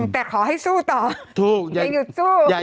แต่ขอให้สู้ต่ออย่าหยุดสู้